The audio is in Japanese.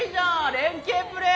連携プレー。